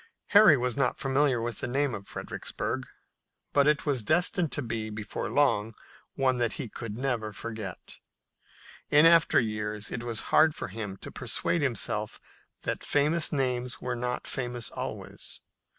Harry was not familiar with the name of Fredericksburg, but it was destined to be before long one that he could never forget. In after years it was hard for him to persuade himself that famous names were not famous always.